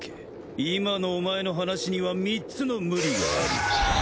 今のお前の話には３つの無理がある。